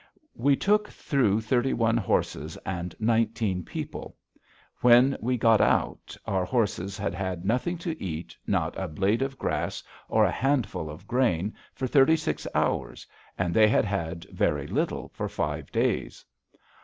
We took through thirty one horses and nineteen people. When we got out, our horses had had nothing to eat, not a blade of grass or a handful of grain, for thirty six hours, and they had had very little for five days.